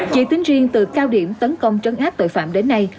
chỉ tính riêng từ cao điểm tấn công trấn áp tội phạm đến nay